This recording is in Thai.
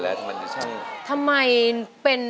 เพื่อจะไปชิงรางวัลเงินล้าน